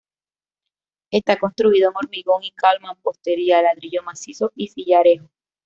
Está construido en hormigón y cal, mampostería, ladrillo macizo y sillarejo.